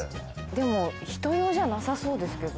でも人用じゃなさそうですけど。